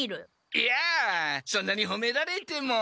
いやそんなにほめられても。